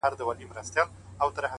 • یا شریک دي د ناولو یا پخپله دي ناولي,